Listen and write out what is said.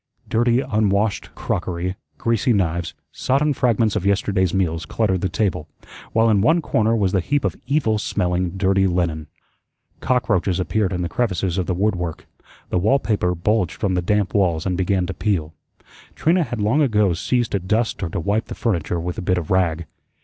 Dirty, unwashed crockery, greasy knives, sodden fragments of yesterday's meals cluttered the table, while in one corner was the heap of evil smelling, dirty linen. Cockroaches appeared in the crevices of the woodwork, the wall paper bulged from the damp walls and began to peel. Trina had long ago ceased to dust or to wipe the furniture with a bit of rag.